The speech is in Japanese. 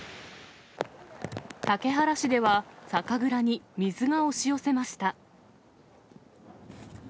竹原市では、酒蔵に水が押し寄せました。